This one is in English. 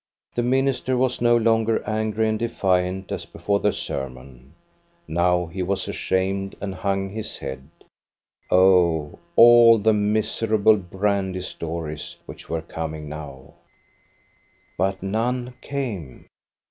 The minister was no longer angry and defiant as before the sermon. Now he was ashamed and hung his head. Oh, all the miserable brandy stories, which were coming now ! But none came.